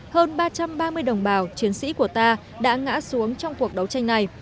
hơn ba trăm ba mươi đồng bào chiến sĩ của ta đã ngã xuống trong cuộc đấu tranh này